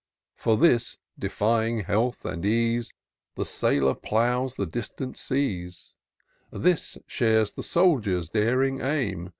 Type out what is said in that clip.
For this, defying health and ease. The Sailor ploughs the distant seas : This shares the Soldier's daring aim.